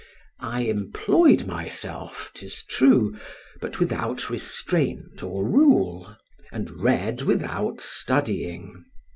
I employed myself, 'tis true, but without restraint or rule, and read without studying.